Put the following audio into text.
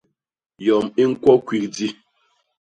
Yom i ñkwo kwigdi.